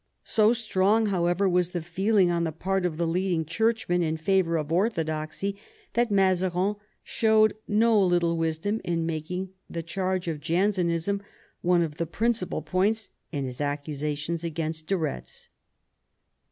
So strong, however, was the feeling on the part of the leading chiurchmen in favour of orthodoxy, that Mazarin showed no little wisdom in making the charge of Jansenism one of the principal points in his accusations against de Retz.